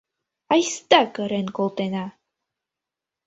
— Айста кырен колтена!